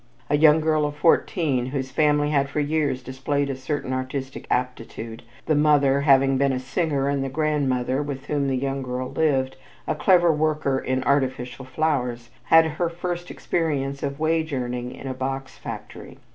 A young girl of fourteen whose family had for years displayed a certain artistic aptitude, the mother having been a singer and the grandmother, with whom the young girl lived, a clever worker in artificial flowers, had her first experience of wage earning in a box factory.